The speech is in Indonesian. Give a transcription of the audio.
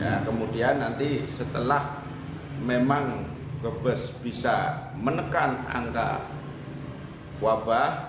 ya kemudian nanti setelah memang ke bus bisa menekan angka wabah